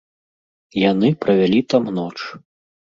Яны правялі там ноч.